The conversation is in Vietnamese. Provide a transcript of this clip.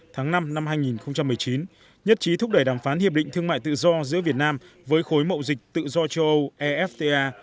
tháng năm năm hai nghìn một mươi chín nhất trí thúc đẩy đàm phán hiệp định thương mại tự do giữa việt nam với khối mậu dịch tự do châu âu efta